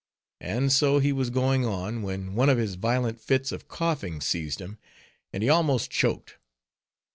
And so he was going on, when one of his violent fits of coughing seized him, and he almost choked.